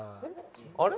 あれ？